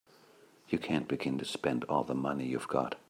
You can't begin to spend all the money you've got.